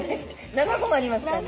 ７本ありますからね。